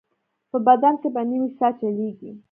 په بدن کې به نوې ساه چلېږي.